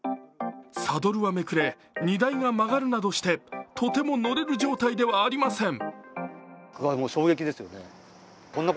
サドルはめくれ、荷台が曲がるなどしてとても乗れる状態ではありません。